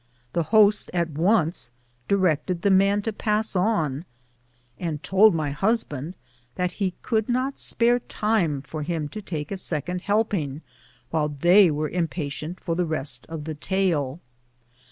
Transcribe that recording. The host at once directed the man to pass on, and told my husband that he could not spare time for him to take a second helping while they were impatient for the rest of the tale.